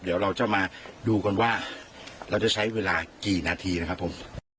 เดี๋ยวเราจะมาดูกันว่าเราจะใช้เวลากี่นาทีนะครับผม